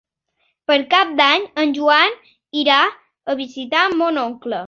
Per Cap d'Any en Joan irà a visitar mon oncle.